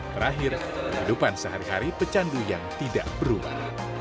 terakhir kehidupan sehari hari pecandu yang tidak berubah